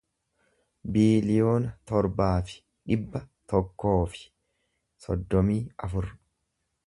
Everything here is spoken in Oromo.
biiliyoona torbaa fi dhibba tokkoo fi soddomii afur